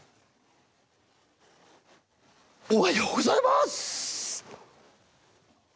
おはようございます。